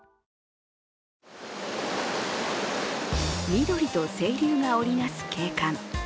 緑と清流が織りなす景観。